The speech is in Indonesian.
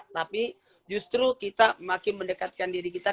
tapi justru kita makin mendekatkan diri kita